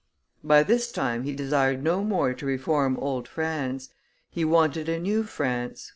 By this time he desired no more to reform old France; he wanted a new France.